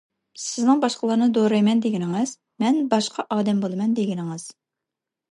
سىزنىڭ باشقىلارنى دورايمەن دېگىنىڭىز، مەن باشقا ئادەم بولىمەن دېگىنىڭىز.